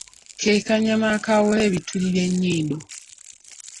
Ke kanyama akaawula ebituli by'enyindo.